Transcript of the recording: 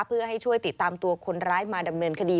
เพื่อให้ช่วยติดตามตัวคนร้ายมาดำเนินคดี